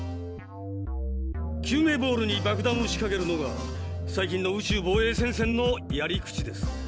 救命ボールに爆弾を仕かけるのが最近の宇宙防衛戦線のやり口です。